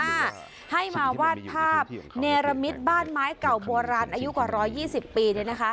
ให้มาวาดภาพเนรมิตบ้านไม้เก่าโบราณอายุกว่า๑๒๐ปี